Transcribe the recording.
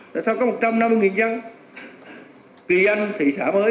để họ có cơ hội làm chúng ta